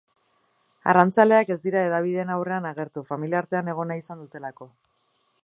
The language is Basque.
Arrantzaleak ez dira hedabideen aurrean agertu, familiartean egon nahi izan dutelako.